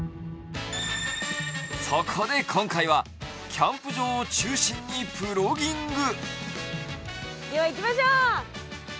そこで今回はキャンプ場を中心にプロギング。